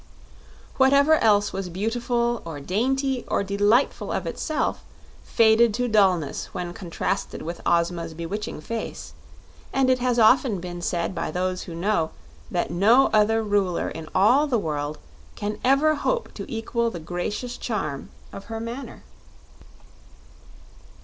Whatever else was beautiful or dainty or delightful of itself faded to dullness when contrasted with Ozma's bewitching face, and it has often been said by those who know that no other ruler in all the world can ever hope to equal the gracious charm of her manner.